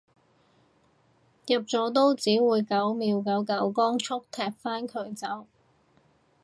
入咗都只會九秒九九光速踢返佢走